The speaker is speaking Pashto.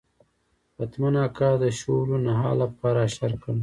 پتمن اکا د شولو نهال لپاره اشر کړی.